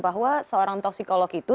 bahwa seorang toksikolog itu